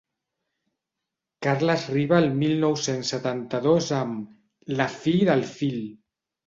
Carles Riba el mil nou-cents setanta-dos amb «La fi del fil».